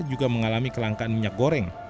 juga mengalami kelangkaan minyak goreng